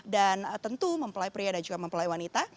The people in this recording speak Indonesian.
tentu mempelai pria dan juga mempelai wanita